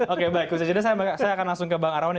oke baik usai jeda saya akan langsung ke bang aroni